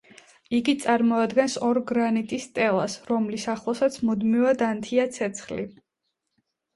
იგი წარმოადგენს ორ გრანიტის სტელას, რომლის ახლოსაც მუდმივად ანთია ცეცხლი.